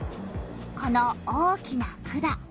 この大きな管。